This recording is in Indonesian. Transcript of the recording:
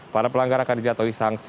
para pelanggar akan dijatuhkan